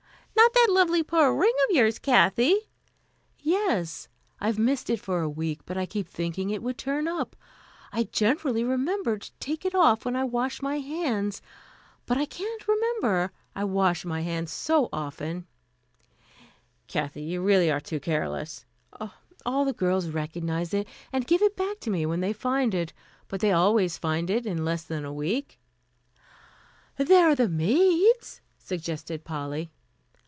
"Not that lovely pearl ring of yours, Kathy?" "Yes. I've missed it for a week, but I kept thinking it would turn up. I generally remember to take it off when I wash my hands, but I can't remember I wash my hands so often " "Kathy, you really are too careless " "Oh, the girls all recognize it and give it back to me when they find it; but they always find it in less than a week." "There are the maids," suggested Polly.